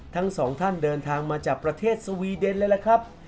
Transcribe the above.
ทั้งสองท่านเดินทางมาจากประเทศสวีเดนเลยล่ะครับ